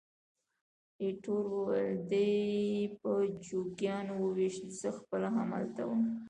ایټور وویل: دی یې په چوکیانو وویشت، زه خپله همالته وم.